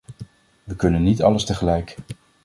We kunnen niet alles tegelijk.